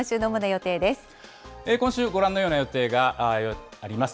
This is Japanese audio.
今週、ご覧のような予定があります。